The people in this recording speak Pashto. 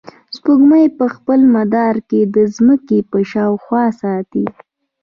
سپوږمۍ په خپل مدار کې د ځمکې په شاوخوا ساتي.